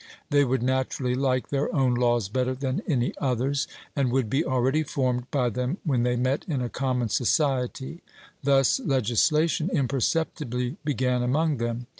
They would naturally like their own laws better than any others, and would be already formed by them when they met in a common society: thus legislation imperceptibly began among them.